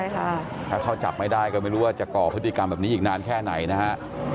ถ้าเขาจับไม่ได้ก็ไม่รู้ว่าจะก่อพฤติกรรมแบบนี้อีกนานแค่ไหนนะฮะ